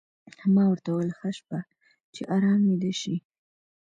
ما ورته وویل: ښه شپه، چې ارام ویده شې.